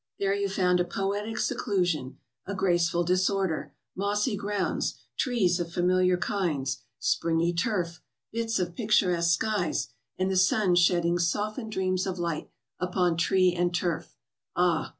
There you found a poetic seclu sion, a graceful disorder, mossy grounds, trees of familiar kinds, springy turf, bits of picturesque skies, and the sun shedding softened streams of light upon tree and turf. Ah!